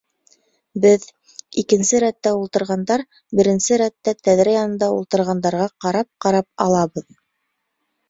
Беҙ, икенсе рәттә ултырғандар, беренсе рәттә, тәҙрә янында ултырғандарға ҡарап-ҡарап алабыҙ.